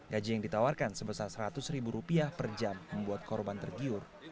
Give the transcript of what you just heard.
gaji yang ditawarkan sebesar seratus ribu rupiah per jam membuat korban tergiur